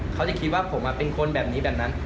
เขาจะคิดว่าผมเป็นคนแบบนี้แบบนั้น